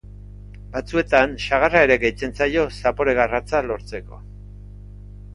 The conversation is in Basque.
Batzuetan, sagarra ere gehitzen zaio zapore garratza lortzeko.